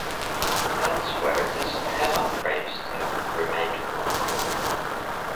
Elsewhere the stela gravestone remained more common.